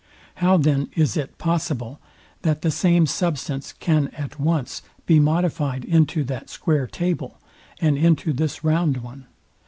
How then is it possible, that the same substance can at once be modifyed into that square table, and into this round one?